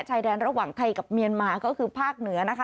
ชายแดนระหว่างไทยกับเมียนมาก็คือภาคเหนือนะคะ